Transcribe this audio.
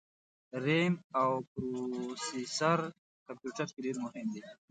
رېم او پروسیسر کمپیوټر کي ډېر مهم دي